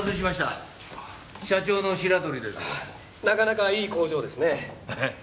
なかなかいい工場ですね。